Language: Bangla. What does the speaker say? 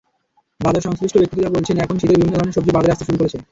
বাজারসংশ্লিষ্ট ব্যক্তিরা বলছেন, এখন শীতের বিভিন্ন ধরনের সবজি বাজারে আসতে শুরু করেছে।